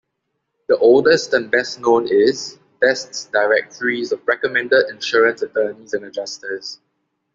The oldest and best known is "Best's Directories of Recommended Insurance Attorneys and Adjusters".